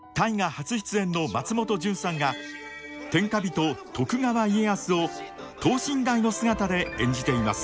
初出演の松本潤さんが天下人徳川家康を等身大の姿で演じています。